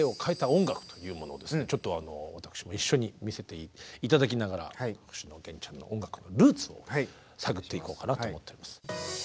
ちょっと私も一緒に見せて頂きながら星野源ちゃんの音楽のルーツを探っていこうかなと思っております。